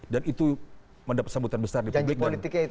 dan itu mendapat sambutan besar di publik